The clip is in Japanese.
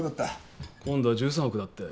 今度は１３億だって。